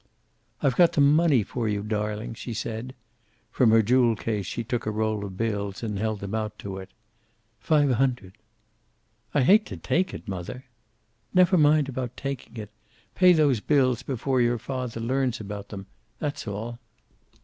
"I've got the money for you, darling," she said. From her jewel case she took a roll of bills and held them out to him. "Five hundred." "I hate to take it, mother." "Never mind about taking it. Pay those bills before your father learns about them. That's all."